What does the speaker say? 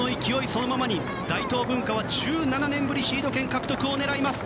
そのままに大東文化は１７年ぶりのシード権獲得を狙います。